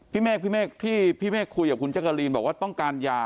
พี่แม๊กพี่แม๊กคุยกับชครีมาละบอกว่าต้องการยา